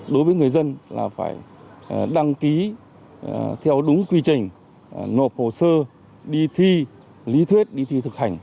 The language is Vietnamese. đối với người dân là phải đăng ký theo đúng quy trình nộp hồ sơ đi thi lý thuyết đi thi thực hành